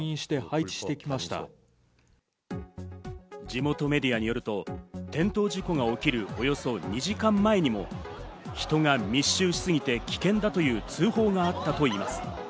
地元メディアによると、転倒事故が起きるおよそ２時間前にも人が密集しすぎて危険だという通報があったといいます。